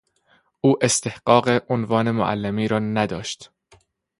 او استحقاق عنوان معلمی را نداشت.